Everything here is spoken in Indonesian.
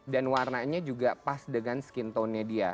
dan warnanya juga pas dengan skin tone nya dia